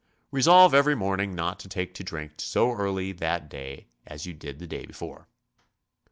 Resolve every morning not to take to drink so early that day as you did the day before.